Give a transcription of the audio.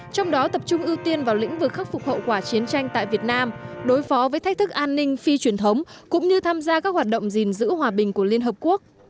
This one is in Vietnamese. trong đó tập trung ưu tiên vào lĩnh vực khắc phục hậu quả chiến tranh tại việt nam đối phó với thách thức an ninh phi truyền thống cũng như tham gia các hoạt động gìn giữ hòa bình của liên hợp quốc